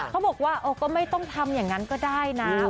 เขาบอกว่าก็ไม่ต้องทำอย่างนั้นก็ได้นะ